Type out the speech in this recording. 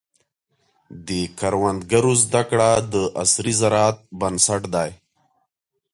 د کروندګرو زده کړه د عصري زراعت بنسټ دی.